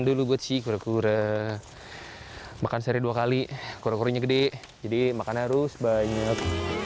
dulu gue sih kura kura makan seri dua kali kura kurinya gede jadi makannya harus banyak